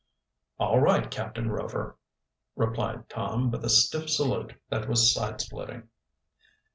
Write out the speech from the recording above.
"All right, Captain Rover," replied Tom, with a stiff salute that was side splitting.